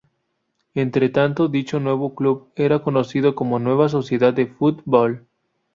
Entretanto, dicho nuevo club era conocido como Nueva Sociedad de Foot-ball.